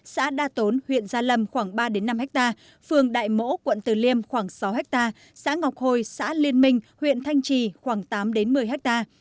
xã đa tốn huyện gia lâm khoảng ba năm hectare phường đại mỗ quận từ liêm khoảng sáu hectare xã ngọc hồi xã liên minh huyện thanh trì khoảng tám một mươi ha